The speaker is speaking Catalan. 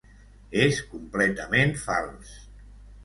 És completament fals.